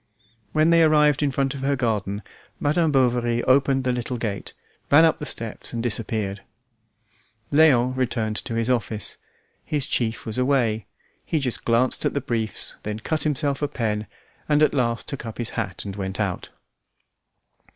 When they arrived in front of her garden, Madame Bovary opened the little gate, ran up the steps and disappeared. Léon returned to his office. His chief was away; he just glanced at the briefs, then cut himself a pen, and at last took up his hat and went out.